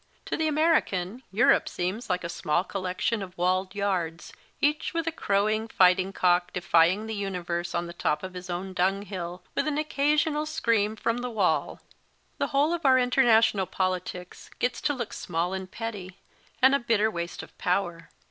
To the American, Europe seems like a small collection of walled yards, each with a crowing fighting cock defying the universe on the top of his own dunghill, with an occasional scream from the wall. The whole of our international politics gets to look small and petty, and a bitter waste of power.